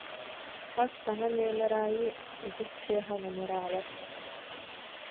Хас саҥа нүөмэр аайы ытыс тыаһа намыраабат